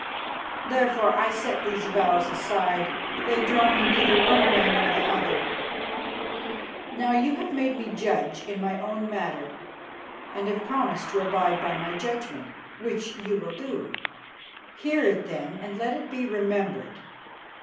Therefore I set these vows aside; they draw me neither one way nor the other. Now, you have made me judge in my own matter and have promised to abide by my judgment, which you will do. Hear it, then, and let it be remembered.